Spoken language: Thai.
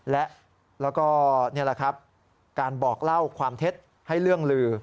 และการบอกเล่าความเท็จให้เรื่องลือ